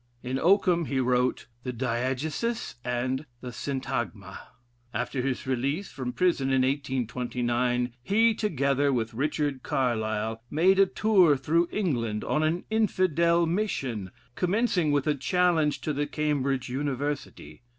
In Oakham he wrote "The Diegesis" and "Syntagma." After his release from prison in 1829, he, together with Richard Carlile, made a tour through England on an Infidel mission, commencing with a challenge to the Cambridge University.